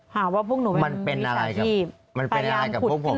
หาว่าพวกหนูเป็นวิชาชีพมันเป็นอะไรกับพวกผม